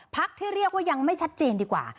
พักที่เรียกว่ายังไม่ชัดเจนดีกว่า